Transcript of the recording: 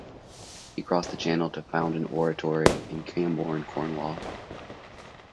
He crossed the Channel to found an oratory in Camborne, Cornwall.